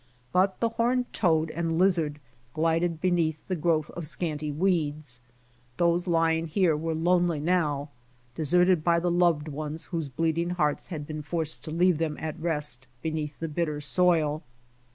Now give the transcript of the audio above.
But the horned toad and lizard glided beneath the growth of scanty weeds. Those lying here were lonely now, deserted by the loved ones whose bleeding hearts had been forced to leave them at restbeneath the bitter soil.